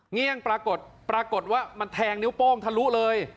เงี่ยงปรากฏปรากฏว่ามันแทงนิ้วโป้งทะลุเลย